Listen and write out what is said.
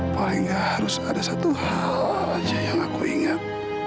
paling nggak harus ada satu hal aja yang aku ingat